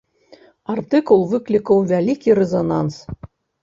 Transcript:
Артыкул выклікаў вялікі рэзананс.